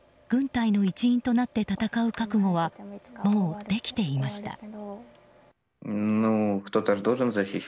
軍隊の一員となって戦う覚悟はもうできていました。